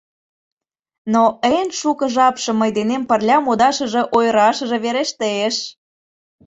Но эн шуко жапшым мый денем пырля модашыже ойырашыже верештеш!